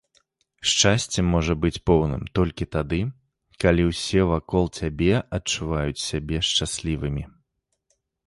Шчасце можа быць поўным толькі тады, калі ўсе вакол цябе адчуваюць сябе шчаслівымі